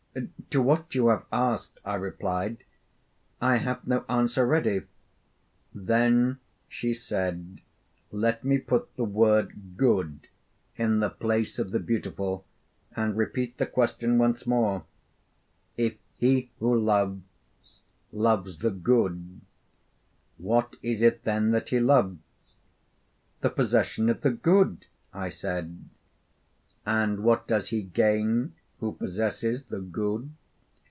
'To what you have asked,' I replied, 'I have no answer ready.' 'Then,' she said, 'let me put the word "good" in the place of the beautiful, and repeat the question once more: If he who loves loves the good, what is it then that he loves?' 'The possession of the good,' I said. 'And what does he gain who possesses the good?'